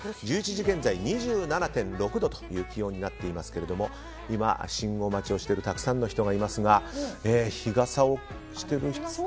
１１時現在２７．６度という気温になっていますが信号待ちをしているたくさんの人がいますが日傘をしてる人。